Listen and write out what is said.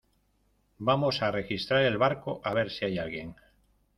vamos a registrar el barco a ver si hay alguien.